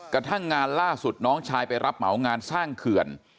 กระทั่งงานล่าสุดน้องชายไปรับเหมางานสร้างเขื่อน